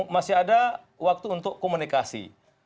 masih ada waktu untuk komunikasi